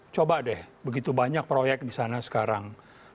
coba deh begitu banyak proyek disana sekarang